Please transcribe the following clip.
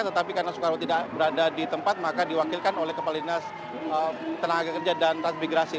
tetapi karena soekarwo tidak berada di tempat maka diwakilkan oleh kepala dinas tenaga kerja dan transmigrasi